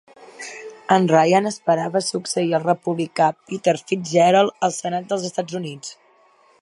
En Ryan esperava succeir el republicà Peter Fitzgerald al Senat dels Estats Units.